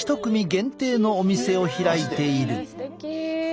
すてき。